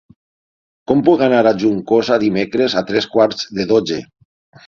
Com puc anar a Juncosa dimecres a tres quarts de dotze?